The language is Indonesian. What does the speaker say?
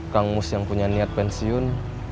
kang mus yang punya niat pensiun